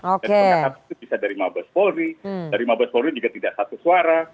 dan pengaruh politik itu bisa dari mabes polri dari mabes polri juga tidak satu suara